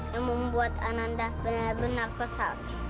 yang membuat ananda benar benar kesal